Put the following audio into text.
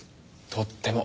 とっても。